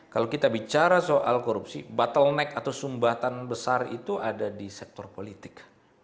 kalau kita bicara soal korupsi bottleneck atau sumbatan besar itu ada di sektor politik